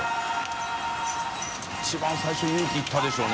貳嶌能勇気いったでしょうね